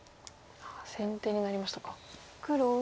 先手になりましたか。